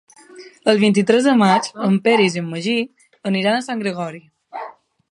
El vint-i-tres de maig en Peris i en Magí aniran a Sant Gregori.